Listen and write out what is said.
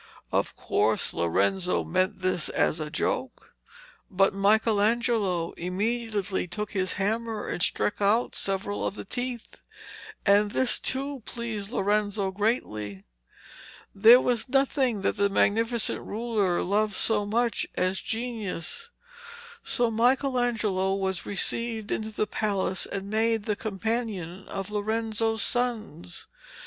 Of course Lorenzo meant this as a joke, but Michelangelo immediately took his hammer and struck out several of the teeth, and this too pleased Lorenzo greatly. There was nothing that the Magnificent ruler loved so much as genius, so Michelangelo was received into the palace and made the companion of Lorenzo's sons.